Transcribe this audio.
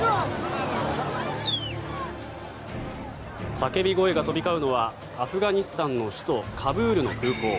叫び声が飛び交うのはアフガニスタンの首都カブールの空港。